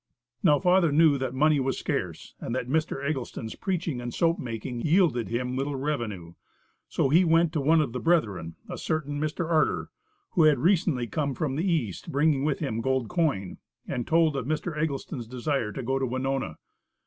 Now father knew that money was scarce and that Mr. Eggleston's preaching and soap making yielded him little revenue, so he went to one of the brethren, a certain Mr. Arter, who had recently come from the east, bringing with him gold coin, and told of Mr. Eggleston's desire to go to Winona.